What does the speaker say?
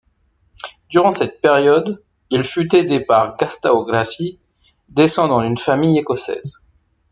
Durant cette période, il fut aidé par Gastão Gracie, descendant d'une famille écossaise.